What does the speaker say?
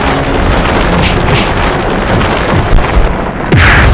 sejak hari ini